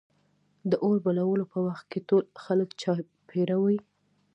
د اور بلولو په وخت کې ټول خلک چاپېره وي.